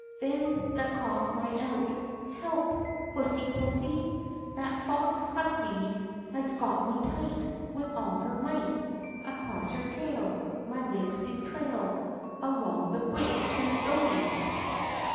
Then the cock cried out: "Help! pussy pussy! That foxy hussy Has got me tight With all her might. Across her tail My legs do trail Along the bridge so stony!"